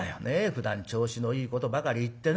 ふだん調子のいいことばかり言ってね。